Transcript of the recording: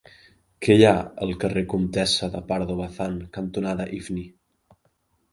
Què hi ha al carrer Comtessa de Pardo Bazán cantonada Ifni?